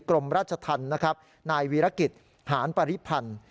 กรมราชธรรมนายวีรกิจหานปริพันธ์